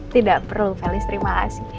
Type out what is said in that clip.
tidak perlu felis terima kasih